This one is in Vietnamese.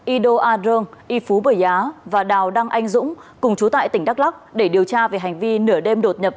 ido a drong i phú bởi giá và đào đăng anh dũng cùng chú tại tỉnh đắk lắc để điều tra về hành vi nửa đêm đột nhập